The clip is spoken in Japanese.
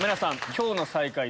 今日の最下位